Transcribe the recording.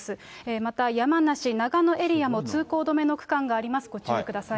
また山梨、長野エリアも通行止めの区間があります、ご注意ください。